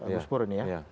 gus purwini ya